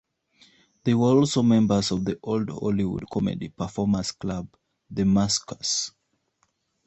They were also members of the old Hollywood Comedy performers club "The Masquers".